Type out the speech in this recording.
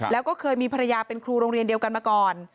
แล้วก็เคยมีภรรยาเป็นครูโรงเรียนเดียวกันมาก่อน